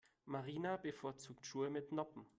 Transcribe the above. Marina bevorzugt Schuhe mit Noppen.